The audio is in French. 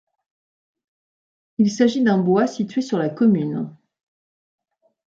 Il s'agit d'un bois situé sur la commune.